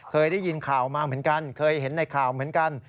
เคยได้ยินข่าวมาเหมือนกันเคยเห็นในข่าวเหมือนกัน